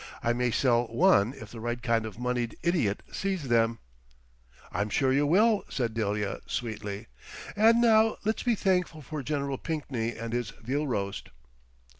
I may sell one if the right kind of a moneyed idiot sees them." "I'm sure you will," said Delia, sweetly. "And now let's be thankful for Gen. Pinkney and this veal roast."